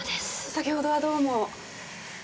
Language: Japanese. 先ほどはどうも。